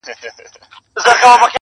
• یو شمس الدین وم په کندهار کي -